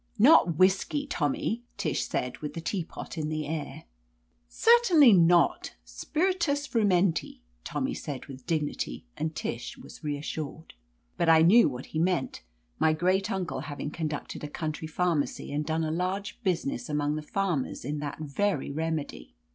"Not whiskey. Tommy !" Tish said with the tea pot in the air. 60 f LETITIA CARBERRY "Certainly noil Spiritus frumenti/* Tommy said with dignity, and Tish was reassured. But I knew what he meant, my great uncle having conducted a country pharmacy and done a large business among the farmers in that very remedy.